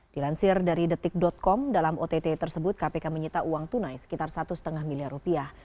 dilansir dari detik com dalam ott tersebut kpk menyita uang tunai sekitar satu lima miliar rupiah